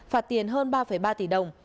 phạt tiền hơn ba ba tỷ đồng